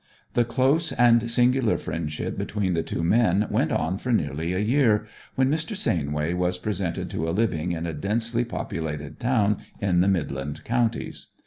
The close and singular friendship between the two men went on for nearly a year, when Mr. Sainway was presented to a living in a densely populated town in the midland counties.